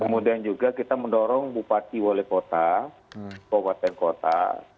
kemudian juga kita mendorong bupati oleh kota pemerintah kota